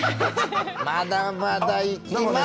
まだまだ行きます！